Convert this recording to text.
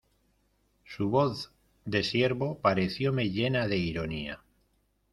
su voz de siervo parecióme llena de ironía: